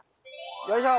よいしょ！